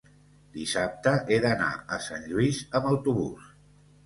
Dissabte he d'anar a Sant Lluís amb autobús.